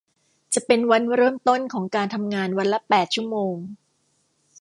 จะเป็นวันเริ่มต้น ของการทำงานวันละแปดชั่วโมง